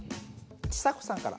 ちさ子さんから。